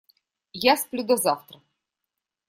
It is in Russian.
Я сплю, до завтра!